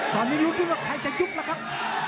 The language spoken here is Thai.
ตอนนี้รู้สึกว่าใครจะยุ่งละครับ